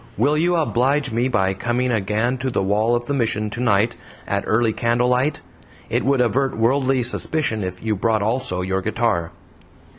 Will you oblige me by coming again to the wall of the Mission tonight at early candlelight? It would avert worldly suspicion if you brought also your guitar."